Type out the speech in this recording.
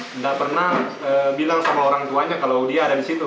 tidak pernah bilang sama orang tuanya kalau dia ada di situ